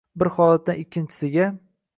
bir holatdan ikkinchisiga